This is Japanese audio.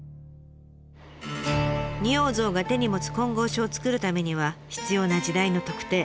仁王像が手に持つ金剛杵を作るためには必要な時代の特定。